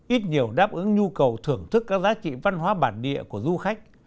ít nhiều đáp ứng nhu cầu thưởng thức các giá trị văn hóa bản địa của du khách